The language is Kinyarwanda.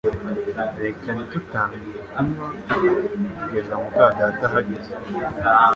Reka ntitutangire kunywa kugeza muka data ageze hano